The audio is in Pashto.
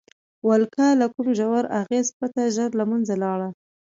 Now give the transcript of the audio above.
ولکه له کوم ژور اغېز پرته ژر له منځه لاړه.